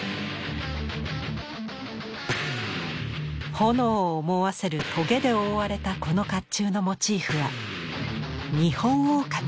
炎を思わせるトゲで覆われたこの甲冑のモチーフはニホンオオカミ。